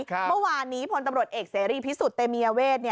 เมื่อวานนี้พลตำรวจเอกเสรีพิสุทธิ์เตมียเวท